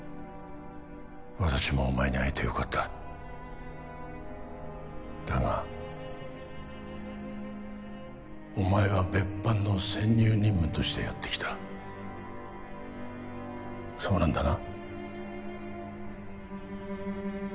私もお前に会えてよかっただがお前は別班の潜入任務としてやって来たそうなんだな？